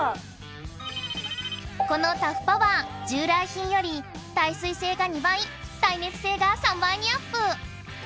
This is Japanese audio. このタフパワー従来品より耐水性が２倍耐熱性が３倍にアップ